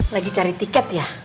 lagi cari tiket ya